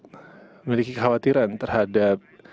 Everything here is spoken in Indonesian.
memiliki khawatiran terhadap